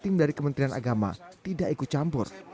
tim dari kementerian agama tidak ikut campur